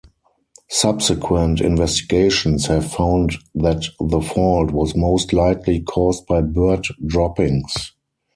Subsequent investigations have found that the fault was most likely caused by bird droppings.